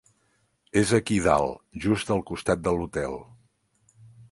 És aquí dalt, just al costat de l'hotel.